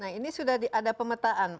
nah ini sudah ada pemetaan